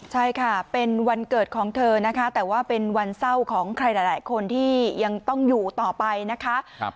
ใช่ค่ะเป็นวันเกิดของเธอนะคะแต่ว่าเป็นวันเศร้าของใครหลายคนที่ยังต้องอยู่ต่อไปนะคะ